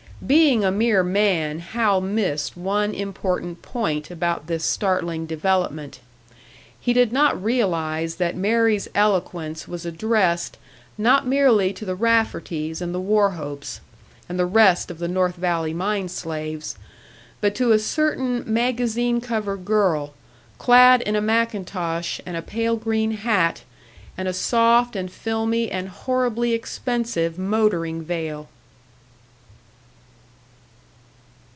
Being a mere man, Hal missed one important point about this startling development; he did not realise that Mary's eloquence was addressed, not merely to the Rafferties and the Wauchopes, and the rest of the North Valley mine slaves, but to a certain magazine cover girl, clad in a mackintosh and a pale green hat and a soft and filmy and horribly expensive motoring veil!